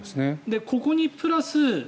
ここにプラス